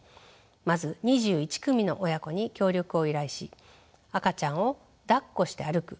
まず２１組の親子に協力を依頼し赤ちゃんをだっこして歩く